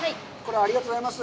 ありがとうございます。